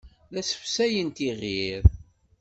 La ssefsayent iɣir.